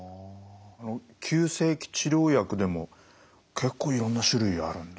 急性期治療薬でも結構いろんな種類あるんですね。